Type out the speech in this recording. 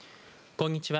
こんにちは。